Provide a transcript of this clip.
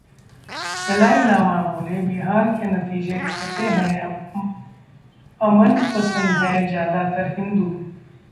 दलाई लामा बोले- बिहार के नतीजे कहते हैं अमनपसंद हैं ज्यादातर हिंदू